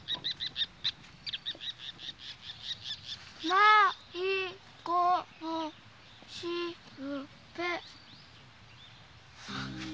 「まいごのしるべ」。